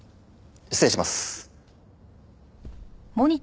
失礼します。